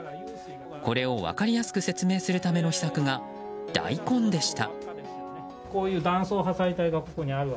これを分かりやすく説明するための秘策が大根でした。